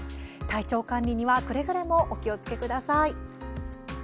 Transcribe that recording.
体調管理にはくれぐれもお気をつけください。